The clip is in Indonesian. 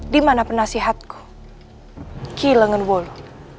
di mana penasihatku ki lengen wulu